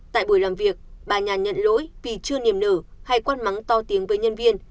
tại buổi làm việc bà nhàn nhận lỗi vì chưa niềm nở hay quăn mắng to tiếng với nhân viên